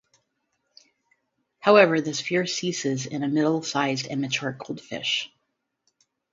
However, this fear ceases in a middle-sized and mature goldfish.